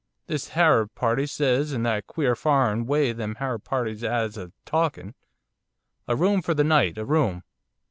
This Harab party says, in that queer foreign way them Harab parties 'as of talkin', "A room for the night, a room."